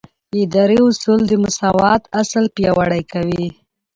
اداري اصول د مساوات اصل پیاوړی کوي.